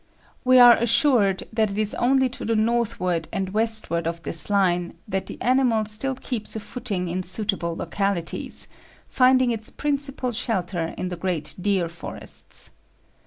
We are assured that it is only to the northward and westward of this line that the animal still keeps a footing in suitable localities, finding its principal shelter in the great deer forests.